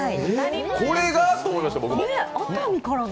これが？と思いました、僕も。